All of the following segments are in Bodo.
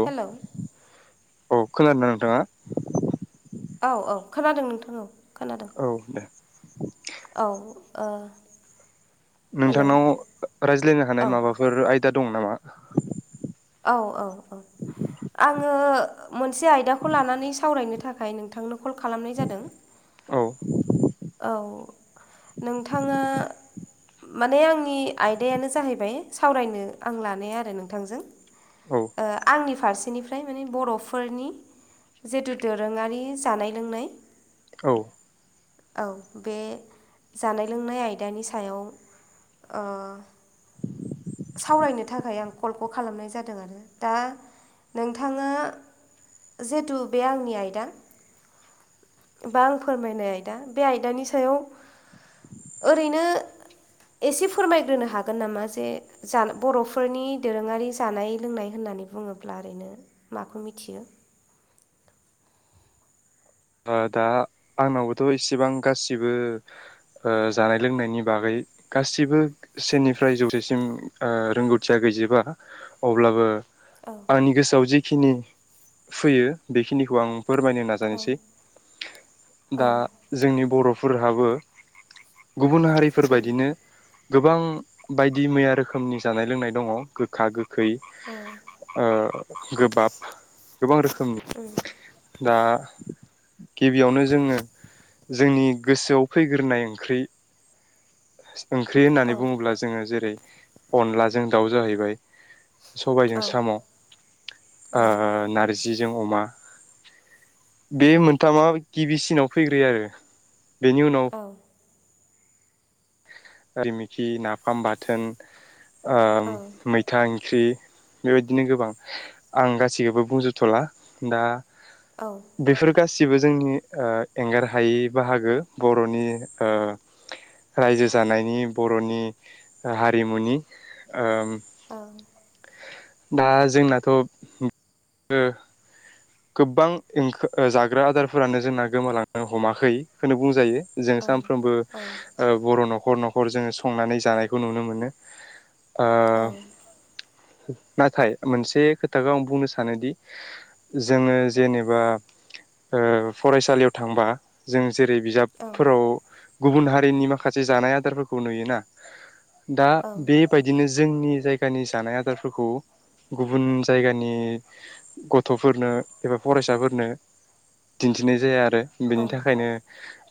औ हेलौ। औ खोनादों ना नोंथाङा? औ औ खोनादों नोंथां औ खोनादों औ दे। औ ओ हेलौ नोंथांनाव रायज्लायनो हानाय औ माबाफोर आयदा दं नामा? औ औ औ। आङो मोनसे आयदाखौ लानानै सावरायनो थाखाय नोंथांना खल खालामनाय जादों। औ औ नोंथाङा माने आंनि आयदायानो जाहैबाय सावरायनो आं लानाया आरो नोंथांजों। औ ओ आंनि फारसेनिफ्राय माने बर'फोरनि जितु दोरोङारि जानाय लोंनाय औ औ बे जानाय लोंनाय आयदानि सायाव ओह सावरायनो थाखाय आं कलखौ खालामनाय जादों आरो दा नोंथाङा जिहेतु बे आंनि आइदा बा आं फोरमायनाय आयदा बे आयदानि सायाव ओरैनो एसे फोरमायग्रोनो हागोन नामा जे जा बर'फोरनि दोरोङारि जानाय लोंनाय होननानै बुङोब्ला ओरैनो माखौ मिथियो? [inaudible] दा आंनावबोथ' इसेबां ओ गासिबो जानाय लोंनायनि बागै गासिबो सेनिफ्राय जौसेसिम आ रोंगौथिया गैजोबा अब्लाबो औ आंनि गोसोआव जेखिनि फैयो बेखिनिखौ आं फोरमायनो औ नाजानोसै। औ दा जोंनि बर'फोरहाबो गुबुन हारिफोरबायदिनो गोबां बायदि मैया रोखोमनि जानाय लोंनाय दङ गोखा गो गोखै औ गोबाब गोबां रोखोमनि दा गिबियावनो जोङो जोंनि गोसोआव फैग्रोनाय ओंख्रि ओंख्रि औ होननानै बुङोब्ला जोङो जेरै अनलाजों दाउ जाहैबाय सबायजों औ साम' ओ नार्जिजों अमा बे मोनथामा गिबिसिनाव फैग्रोयो आरो बेनि उनाव औ रिमिखि नाफाम बाथोन ओ मैथां फि फ्रि बेबायदिनो गोबां आं गासैखौबो बुंजोबथ'ला दा औ बेफोर गासैबो गासिबो जोंनि ओ एंगार हायै बाहागो बर'नि ओ रायजो जानायनि बर'नि हारिमुनि ओ औ दा जोंनाथ' गोबांओंखो जाग्रा आदारफोरानो जोंना गोमालांनो हमाखै होनो बुंजायो जों सानफ्रोमबो बर' न'खर न'खर जोङो संनानै जानायखौ नुनो मोनो ओ नाथाय मोनसे खोथाखौ आं बुंनो सानोदि जोङो जेनेबा ओ फरायसालियाव थांबा जों जेरै बिजाबफोराव गुबुन हारिनि माखासे जानाय आदारफोरखौ नुयोना दा बेबायदिनो जोंनि जायगानि जानाय आदारफोरखौ गुबुन जायगानि गथ'फोरनो एबा फरायसाफोरनो दिन्थिनाय जाया आरो बेनि थाखायनो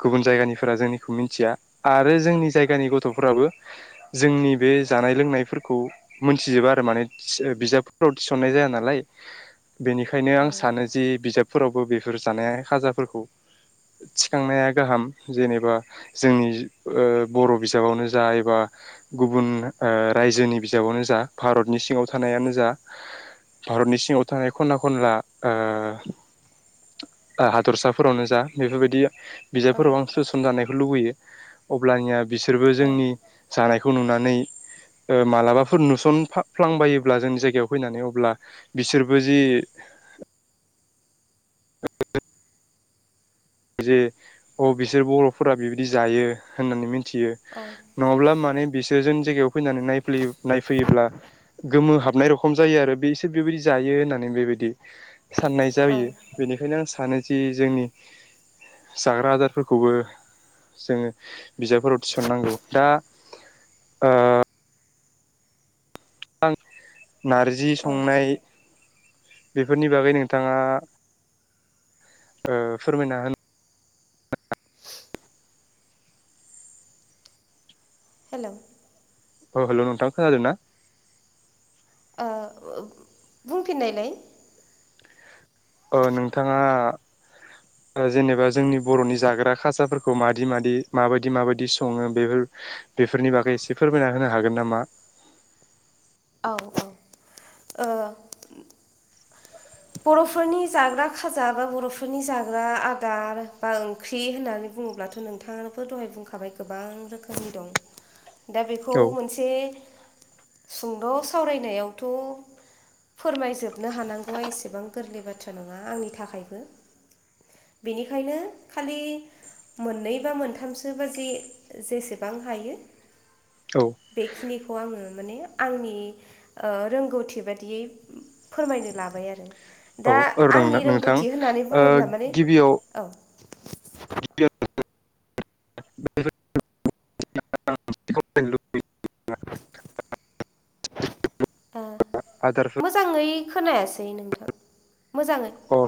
गुबुन जायगानिफोरा जोंनिखौ मिथिया आरो जोंनि जायगानि गथ'फोराबो बारा माने बिजाव थिसननाय जाया नालाय बेनिखायनो आं सानो जि बिजाब फोरावबो बेफोर जानाया खाजाफोरखौ थिखांनाया गाहाम जेनेबा जोंनि ओ बर' बिजाबावनो जा एबा गुबुन ओ रायजोनि बिजाबावनो जा भारत बिनि सिङाव थानायानो जा भारतनि सिङाव थानाय खनना खनला हादरसाफोरावनो जा बेफोरबायदि बिजाबफोराव आं सोसन जानायखौ लुबैयो अब्लानिया बिसोरबो औ जोंनि जानाय खौ नुनानै ओ मालाबाफोर नुसनाफ्लांबायोब्ला जोंनि जायगायाव फैनानै अब्ला बिसोरबो जि जे अ बिसोर बर'फोरा बेबायदि जायो होननानै मिथि मिथियो औ नङाब्ला माने बिसोरजों जायगायाव फैनानै नायफ्लैयो नायफैयोब्ला गोमो हाबनाय रखम जायो आरो बेसोर बेबायदि जायो होननानै बेबायदि साननाय औ जायो बेनिखायनो आं सानो जि जोंनि जाग्रा आदारफोरखौबो जोङो बिजाबफोराव थिसननांगौ दा ओ आं नारजि औ संनाय बेफोरनि बागै नोंथाङा फोरमायना होन हेल' औ हेल' नोंथां खोनादों ना ओ बुंफिननायलाय ओ नोंथाङा जेनेबा जोंनि बर'नि जाग्रा खासाारफोरखौ मादि- मादि माबायदि माबायदि सङो बेफोर बेफोरनि बागै एसे फोरमायना होनो हागोन नामा औ -औ ओ बर'फोरनि जाग्रा खाजा बा बर'फोरनि जाग्रा आदार बा ओंख्रि होननानै बुडो़ला बुङोब्लाथ' नोंथाङा दहाय बुंखाबाय गोबां रोखोमनि दं दा बेखौ औ मोनसे सुंद' सावरायनायावथ' फोरमायजोबनो हानांगौआ एसेबां गोबां गोरलै बाथ्रा नङा आंनि थाखायबो बेनिखायनो खालि मोननै बा मोनथामसो बाजि जेसेबां हायो औ बेखिनिखौ आङो माने आंनि रोंगौथि बादियै फोरमायनो लाबाय आरो औ दा औ दं आंनि नोंथां रोंगौथि होननानै बुङोब्ला माने गिबियाव [inaudible] औ [inaudible] आदारफोर मोजाङै खोनायासै नोंथां मोजाङै अ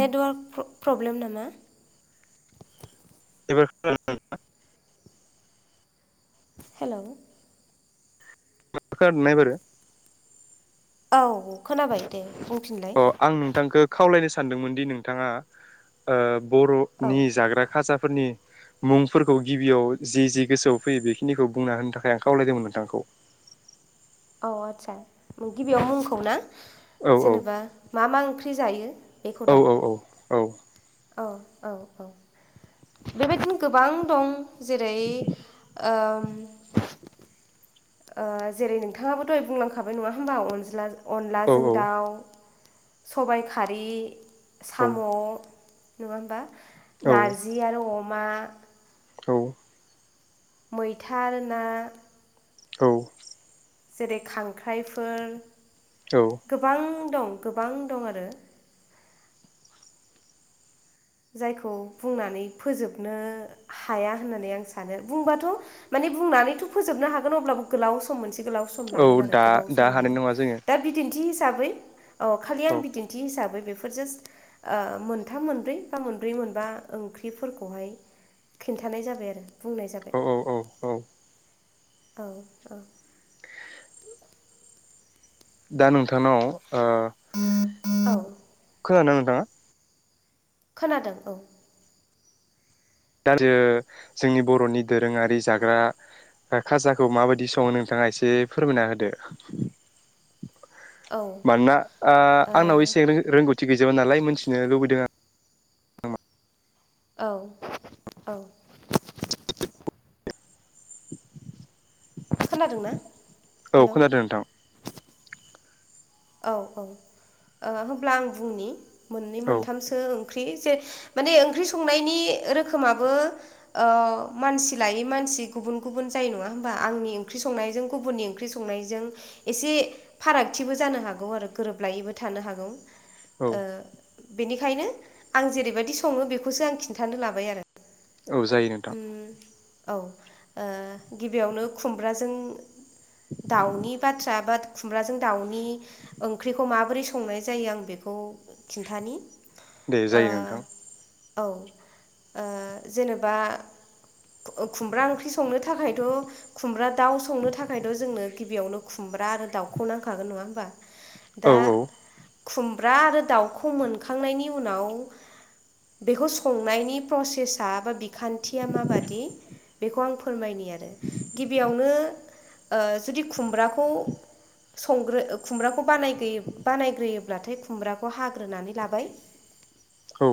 नेटवार्क प्रब्लेम नामा एबार खोनादों हेल' मा खोनादोना एबारो औ खोनाबाय दे बुंफिनलाय अ आं नोंथांखौ खावलायनो सानदोंमोन दि नोंथाङा औ बर'नि जाग्रा खाजाफोरनि मुंफोरखौ गिबियाव जि- जि गोसोआव फैयो बेखिनिखौ बुंना होनो थाखाय आं खावलायदोंमोन नोंथांखौ औ आतसा गिबियाव मुंखौ ना औ जेनेबा मा - मा ओंख्रि जायो बेखौ औ दा औ औ - औ - औ बेबायदिनो गोबां दं जेरै जेरै नोंथाङाबो दहाय बुंलांखाबाय नङा होमबा अनला औ अनलाजों औ दाउ सबाय खारि साम' नङा होमबा नारजि आरो अमा औ मैथा ना औ जेरै खांख्राइफोर औ गोबां दं गोबां दं आरो जायखौ बुंनानै फोजोबनो हाया होननानै आं सानो बुंबाथ' माने बुंनानै फोजोबनो हागोन अब्लाबो गोलाव सम मोनसे गोलाव सम औ लागोन आरो दा गोबाव दा सम हानाय लागोन नङा जोङो दा बिदिन्थि हिसाबै औ खालि आं औ बिदिन्थि हिसाबै बेफोर जास्ट मोनथाम मोनब्रै बिफा मोनब्रै मोनबा ओंख्रिफोरखौहाय खिन्थानाय जाबाय आरो बुंनाय जाबाय औ औ औ औ औ - औ दा नोंथांनाव औ खोनादों नोंथाङा। खोनादों औ। दा जो जोंनि बर'नि दोरोङारि जाग्रा खाजाखौ माबायदि सङो नोंथाङा एसे फोरमायना होदो। औ ओ मानोना आ आंनाव एसें रों रोंगौथि गैजोबा नालाय मिथिनो लुबैदों आं। औ औ। [inaudible] खोनादोंना। औ हेल' खोनादों नोंथां। औ औ ओ होमब्ला आं बुंनि मोननै औ मोनथामसो ओंख्रि जे माने ओंख्रि संनायनि रोखोमाबो ओ मानसि लायै मानसि गुबुन गुबुन जायो नङा होमबा आंनि ओंख्रि संनायजों गुबुननि ओंख्रि संनायजों एसे फारागथिबो जानो हागौ आरो गोरोबलायैबो थानो हागौ औ। ओ बेनिखायनो आं जेरैबायदि सङो बेखौसो आं खिन्थानो लाबाय आरो। औ जायो नोंथां। औ ओ गिबियावनो खुमब्राजों दाउनि बाथ्रा बा खुमब्राजों दाउनि ओंख्रिखौ माबोरै संनाय जायो आं बेखौ खौ खिन्थानि। दे ओ जायो नोंथां। औ ओ जेनेबा ओ खुमब्रा ओंख्रि संनो थाखायथ' खुमब्रा दाउ संनो थाखायथ' जोंनो गिबियावनो खुमब्रा आरो दाउखौ नांखागोन नङा होमबा। औ दा औ। खुमब्रा आरो दाउखौ मोनखांनायनि उनाव बेखौ संनायनि प्रसेसा बा बिखान न्थिया मा बादि बेखौ आं फोरमायनि आरो गिबियावनो ओ जुदि खुमब्राखौ संग्रो ओ खुमब्राखौ बानायगोयो बानायग्रोयोब्लाथाय खुमब्राखौ हाग्रोनानै लाबाय। [inaudible] औ।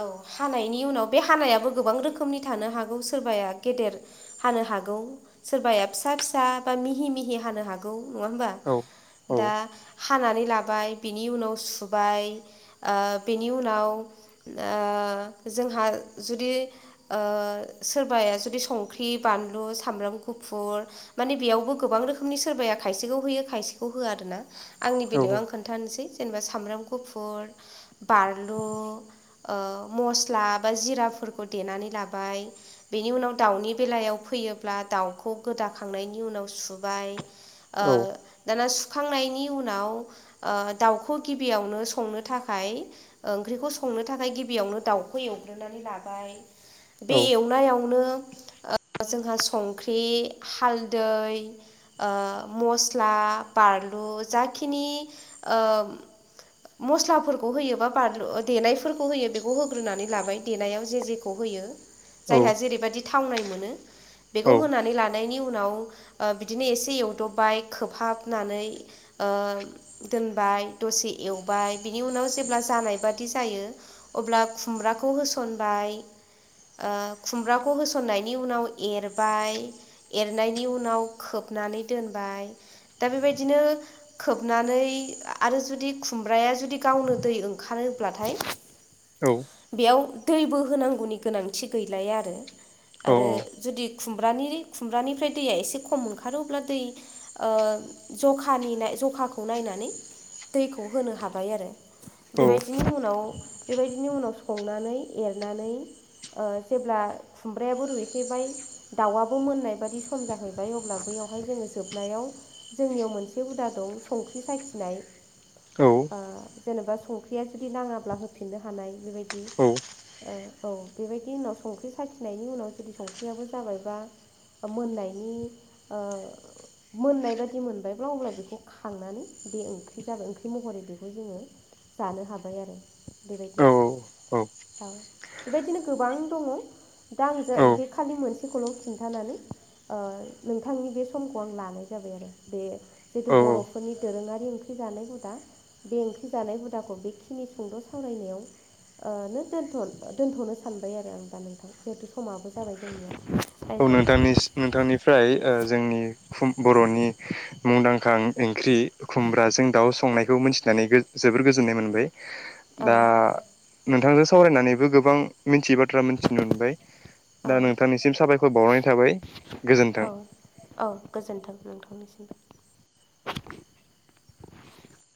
औ हानायनि उनाव बे हानायाबो गोबां रोखोम रोखोमनि थानो हागौ सोरबाया गेदेर हानो हागौ सोरबाया फिसा-फिसा बा मिहि मि - - मिहि हानो हागौ नङा होमबा औ औ दा हानानै लाबाय बिनि उनाव सुबाय ओ बेनि उनाव ओ ओ जोंहा जुदि ओ सोरबाया जुदि संख्रि बानलु सामब्राम गुफुर माने बेयावबो गोबां गोबां रोखोमनि सोरबाया खायसेखौ होयो खायसेखौ होआ आरो ना आंनि औ बेलायाव आं खोन्थानोसै। जेनेबा सामब्राम गुफुर बानलु ओ मस्ला बा जिरा फोरखौ देनानै लाबाय बेनि उनाव दाउनि बेलायाव फैयोब्ला दाउखौ गोदाखांनायनि उनाव सुबाय बाय ओ औ दाना सुखांनायनि उनाव ओ दाउखौ गिबियावनो संनो थाखाय ओंख्रिखौ संनो थाखाय गिबियावनो दाउखौ एवग्रोनानै लाबाय। बे औ एवनायाव नो ओ जोंहा संख्रि, हालदै ओ मस स्ला, बानलु जाखिनि ओ। मस्लाफोरखौ होयोबा बानलु देनायफोरखौ होयो बेखौ होग्रोनानै लाबाय देनायाव जे-जे खौ होयो। औ जायहा जेरैबायदि थावनाय मोनो। बेखौ औ होनानै लानायनि उनाव ओ बिदिनो एसे एवदबबाय खोबहाबनानै ओ दोनबाय दसे एवबाय बिनि उनाव जेब्ला जानाय बादि जायो अब्ला खुमब्राखौ होसनबाय। ओ खुमब्राखौ होसन्नायनि उनाव एरबाय एरनायनि उनाव खोबनानै दोनबाय दा बेबायदिनो खोबनानै आरो जुदि खुमब्राया गावनो दै ओंखारोब्लाथाय औ। बेयाव दैबो होनांगौनि गोनांथि गैलाया आरो। आरो जुदि खुमब्रानि खुमब्रानिफ्राय दैया एसे खम ओंखारो अब्ला दै ओ जखानि नाय जखाखौ नायनानै दैखौ होनो हाबाय आरो। बेबायदिनि उनाव-बेबायदिनि उनाव संनानै एरनानै ओ जेब्ला खुमब्रायाबो रुइहैबाय दाउआबो मोननाय बादि सम जाहैबाय अब्ला बैयाव बेहाय जोङो जोबनायाव जोंनियाव मोनसे हुदा दं संख्रि साखिनाय ओ जेनेबा संख्रिया जुदि नाङाब्ला होफिननो हानाय बेबायदि ओ औ बेबायदि उनाव संख्रि साखिनायनि उनाव जुदि संख्रियाबो जाबायबा मोननायनि ओ मोननाय बादि मोनबायब्ला अब्ला बेखौ खांनानै बे ओंख्रि जाबाय ओंख्रि महरै बेखौ जोङो जानो हाबाय आरो बेबायदि औ बेबायदिनो गोबां दङ दा आं जो औ बे खालि मोनसेखौल' खिन्थानानै ओ नोंथांनि बे समखौ आं लानाय जायो बाय आरो बे जेथु औ औ बर'फोरनि दोरोङारि ओंख्रि जानाय हुदा बे ओंख्रि जानाय हुदाखौ बेनिखिनि सुंद' सावरायनायाव ओ नो दोनथ'-दोनथ'नोस सानबाय आरो आं दा नोंथां जिहेतु समाबो जाबाय जोंनिया औ रायज्लायनाय नोंथांनिस नोंथांनिफ्राय जोंनि खुम बर'नि मुंदांखा ओंख्रि खुमब्राजों दाउ संनायखौ मोनथिनानै गो जो जोबोर गोजोननाय मोनबाय औ दा नोंथांजों सावरायनानैबो गोबां मिथियै बाथ्रा मिथिनो मोनबाय औ दा नोंथांनिसिम साबाय बावनाय थाबाय गोजोन्थों औ औ गोजोन्थों नोंथांनिसिमबो